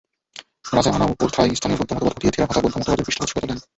রাজা আনাওরথাই স্থানীয় বৌদ্ধ মতবাদ হটিয়ে থেরাভাদা বৌদ্ধ মতবাদের পৃষ্ঠপোষকতা দেন।